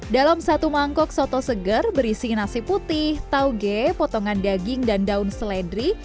dalam satu mangkok soto seger berisi nasi putih tauge potongan daging dan daun seledri